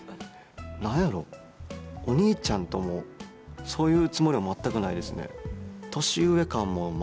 何やろ、お兄ちゃんともそういうつもりも全くないですね。